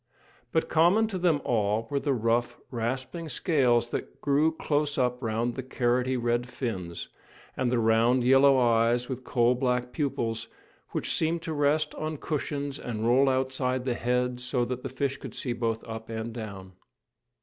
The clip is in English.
But common to them all were the rough, rasping scales that grew close up round the carroty red fins, and the round yellow eyes with coal black pupils, which seemed to rest on cushions and roll outside the head so that the fish could see both up and down.